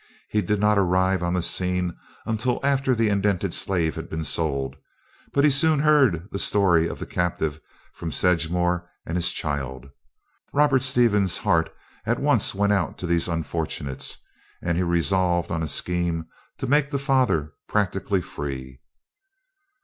He did not arrive on the scene until after the indented slave had been sold; but he soon heard the story of the captive from Sedgemore and his child. Robert Stevens' heart at once went out to these unfortunates, and he resolved on a scheme to make the father practically free.